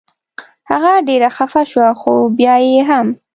هغه ډېره خفه شوه خو بیا یې هم.